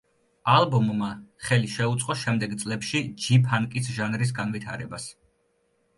ალბომმა ხელი შეუწყო შემდეგ წლებში ჯი ფანკის ჟანრის განვითარებას.